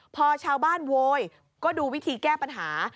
พอชาวบ้านโวยก็ดูวิธีแก้ปัญหา